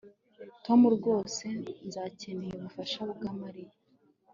Tom rwose ntakeneye ubufasha bwa Mariya